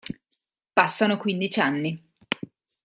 Passano quindici anni.